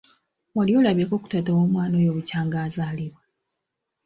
Wali olabyeko ku taata w'omwana oyo bukya nga azaalibwa?